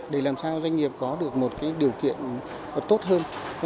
để làm sao doanh nghiệp có được một điều kiện tốt hơn